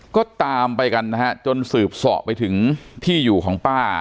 ก็ตามไปกันนะฮะจนสืบเสาะไปถึงที่อยู่ของป้า